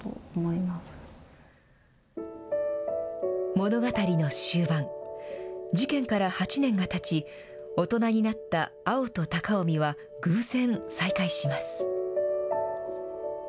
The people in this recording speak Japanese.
物語の終盤、事件から８年がたち、大人になった碧と貴臣は、偶然、再会します。